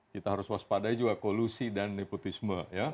kita harus waspadai juga kolusi dan nepotisme